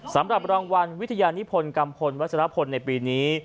สำหรับรางวัลวิทยานิพลกัมพลวัชรพลในปีนี้